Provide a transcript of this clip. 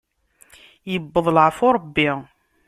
Iwweḍ laɛfu n Ṛebbi.